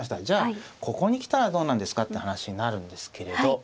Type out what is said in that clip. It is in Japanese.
じゃあここに来たらどうなんですかって話になるんですけれど。